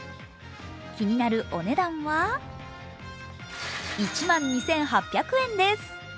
気になるお値段は、１万２８００円です。